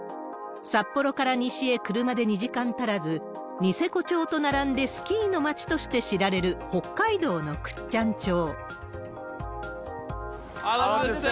札幌から西へ車で２時間足らず、ニセコ町と並んでスキーの町として知られる、北海道の倶知安町。